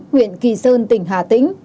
huyện kỳ sơn tỉnh hà tĩnh